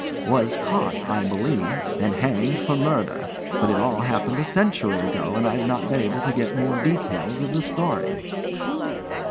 "Was caught, I believe, and hanged for murder; but it all happened a century ago, and I've not been able to get more details of the story."